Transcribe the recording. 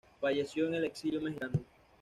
Falleció en el exilio mexicano.